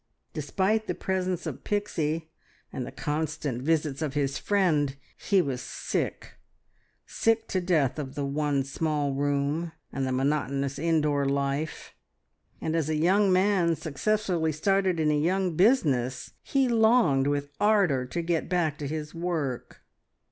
Despite the presence of Pixie and the constant visits of his friend, he was sick, sick to death of the one small room, and the monotonous indoor life, and as a young man successfully started in a young business, he longed with ardour to get back to his work.